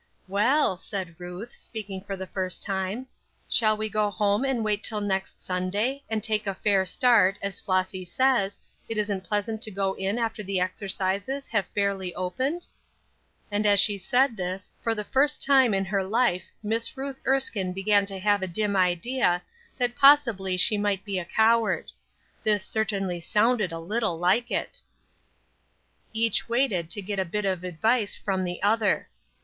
"Well," said Ruth, speaking for the first time, "shall we go home and wait till next Sunday, and take a fair start, as Flossy says, it isn't pleasant to go in after the exercises have fairly opened?" As she said this, for the first time in her life Miss Ruth Erskine began to have a dim idea that possibly she might be a coward; this certainly sounded a little like it. Each waited to get a bit of advice from the other.